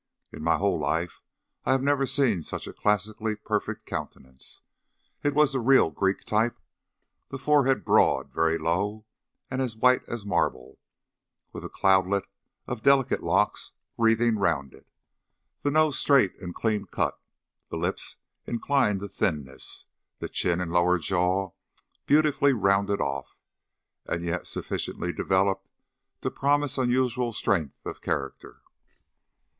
In my whole life I have never seen such a classically perfect countenance. It was the real Greek type the forehead broad, very low, and as white as marble, with a cloudlet of delicate locks wreathing round it, the nose straight and clean cut, the lips inclined to thinness, the chin and lower jaw beautifully rounded off, and yet sufficiently developed to promise unusual strength of character.